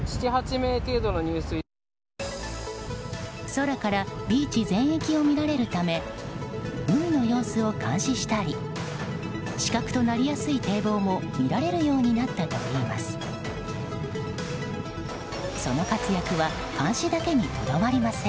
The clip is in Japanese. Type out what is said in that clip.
空からビーチ全域を見られるため海の様子を監視したり死角となりやすい堤防も見られるようになったといいます。